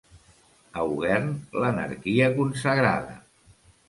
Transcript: A Ogern, l'anarquia consagrada.